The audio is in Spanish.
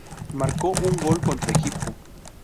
Marcó un gol contra Egipto.